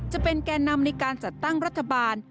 จะเป็นแก่นำในการจัดตั้งรัฐบาล